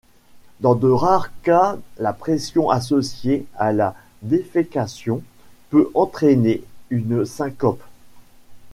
Dans de rares cas la pression associée à la défécation peut entraîner une syncope.